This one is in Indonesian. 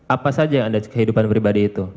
apa saja yang anda kehidupan pribadi anda berarti ke mirna